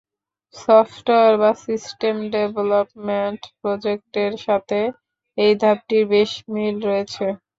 Software বা system development প্রজেক্টের সাথে এই ধাপটির বেশ মিল রয়েছে।